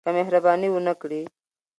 که مهرباني ونه کړي.